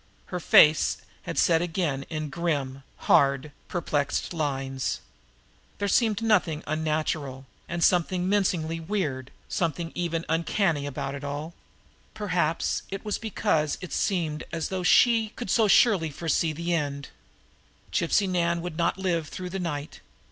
Her face had set again in grim, hard, perplexed lines. There seemed something unnatural, something menacingly weird, something even uncanny about it all. Perhaps it was because it seemed as though she could so surely foresee the end. Gypsy Nan would not live through the night.